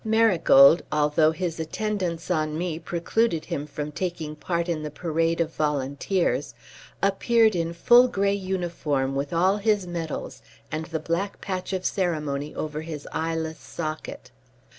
Marigold, although his attendance on me precluded him from taking part in the parade of Volunteers, appeared in full grey uniform with all his medals and the black patch of ceremony over his eyeless socket.